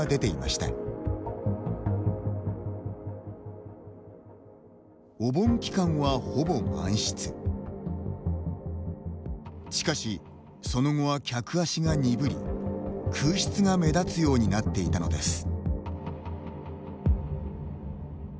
しかし、その後は客足が鈍り空室が目立つようになっていたのです。